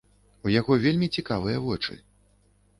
У яго вельмі цікавыя вочы.